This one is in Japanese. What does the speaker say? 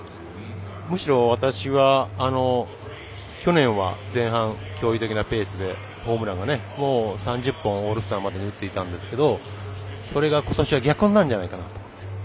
むしろ、私は去年は、前半驚異的なペースでホームランを３０本、オールスターまでに打っていたんですけど、それがことしは逆になるんじゃないかと。